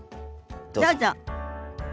どうぞ。